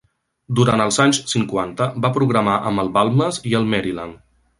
Durant els anys cinquanta va programar amb el Balmes i el Maryland.